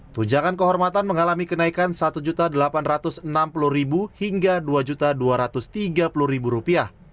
tunjangan kehormatan mengalami kenaikan rp satu delapan ratus enam puluh hingga rp dua dua ratus tiga puluh